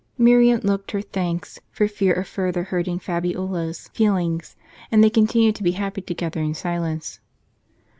Miriam looked her thanks, for fear of further hurting Fabiola's feelings ; and they continued to be happy together in silence.